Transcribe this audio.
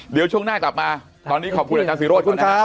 เดี๋ยวช่วงหน้ากลับมาตอนนี้ขอบคุณอาจารย์ศิโรธด้วยนะครับ